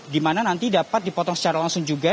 di mana nanti dapat dipotong secara langsung juga